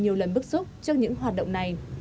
nhiều lần bức xúc trước những hoạt động này